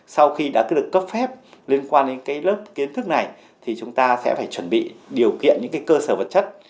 sau khi đã được cấp phép liên quan đến cái lớp kiến thức này thì chúng ta sẽ phải chuẩn bị điều kiện những cái cơ sở vật chất